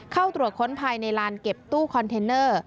เข้าตรวจค้นภายในลานเก็บตู้คอนเทนเนอร์